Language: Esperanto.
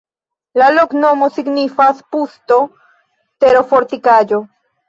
La loknomo signifas pusto-terofortikaĵo.